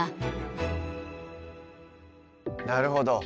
なるほど。